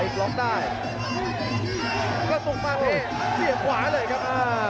ตรงตะเมฆเผี่ยขวาเลยครับ